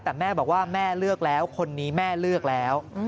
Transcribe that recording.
แต่แม่บอกว่าแม่เลือกแล้วคนนี้แม่เลือกแล้ว